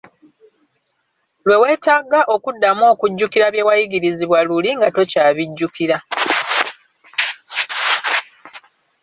Lwe weetaga okuddamu okujjukira bye wayigirizibwa luli, nga tokyabijjukira.